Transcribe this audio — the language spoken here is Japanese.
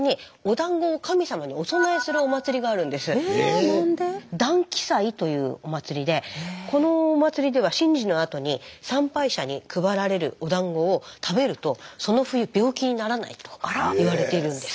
「団碁祭」というお祭りでこのお祭りでは神事のあとに参拝者に配られるおだんごを食べるとその冬病気にならないと言われているんです。